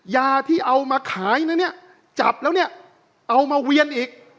ยาที่เอามาขายนะเนี่ยจับแล้วเนี่ยเอามาเวียนอีก